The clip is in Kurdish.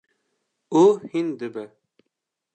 û hîn dibe.